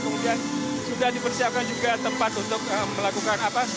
kemudian sudah dipersiapkan juga tempat untuk melakukan apa